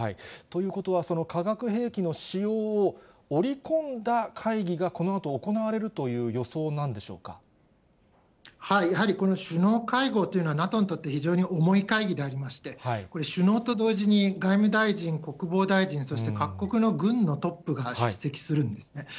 ということは、化学兵器の使用を織り込んだ会議がこのあと行われるという予想なやはりこの首脳会合というのは、ＮＡＴＯにとって非常に重い会議でありまして、これ、首脳と同時に、外務大臣、国防大臣、そして各国の軍のトップが出席するんですね。